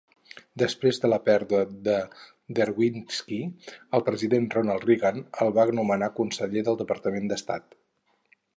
Després de la pèrdua de Derwinski, el president Ronald Reagan el va nomenar conseller del Departament d'Estat.